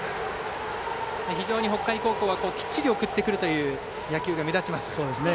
非常に北海高校はきっちり送ってくるという野球が目立ちますね。